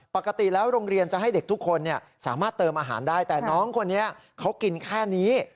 ปกติแล้วโรงเรียนจะให้เด็กทุกคนสามารถเติมอาหารได้แต่น้องคนนี้เขากินแค่นี้